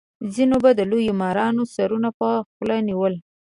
ځینو به د لویو مارانو سرونه په خوله نیول.